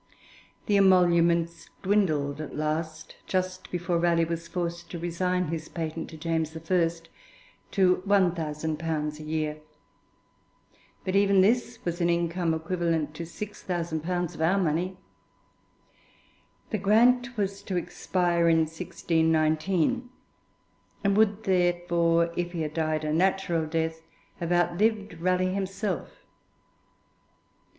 The emoluments dwindled at last, just before Raleigh was forced to resign his patent to James I., to 1,000_l._ a year; but even this was an income equivalent to 6,000_l._ of our money. The grant was to expire in 1619, and would therefore, if he had died a natural death, have outlived Raleigh himself.